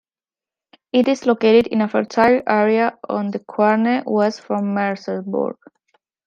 It is located in a fertile area on the Querne, west from Merseburg.